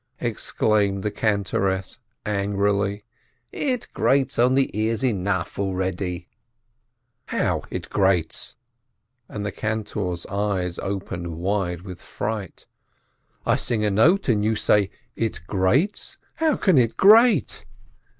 exclaimed the cantoress, angrily. "It grates on the ears enough already !" "How, it grates?" and the cantor's eyes opened wide with fright, "I sing a note, and you say 'it grates'? How can it grate?"